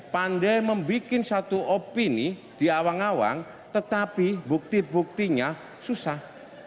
pandai membuat satu opini di awang awang tetapi bukti buktinya susah